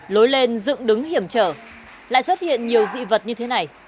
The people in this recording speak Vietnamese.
lối lên dựng đứng hiểm trở lại xuất hiện nhiều dị vật như thế này